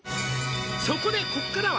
「そこでここからは」